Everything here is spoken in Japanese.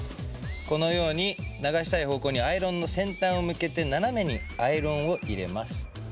このように流したい方向にアイロンの先端を向けてナナメにアイロンを入れます。